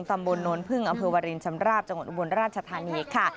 ตำบลโน้นพึ่งอำเภอวารินชำราบจังหวัดอุบลราชธานีค่ะ